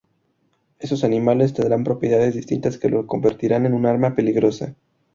Esos animales tendrán propiedades distintas que los convertirán en un arma peligrosa.